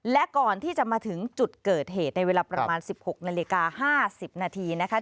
และก่อนที่จะมาถึงจุดเกิดเหตุในเวลาประมาณ๑๖นาฬิกา๕๐นาทีนะคะ